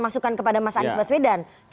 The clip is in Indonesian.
masukan kepada mas anies baswedan